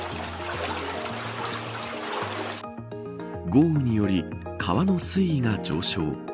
豪雨により川の水位が上昇。